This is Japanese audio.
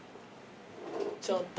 ちょっと。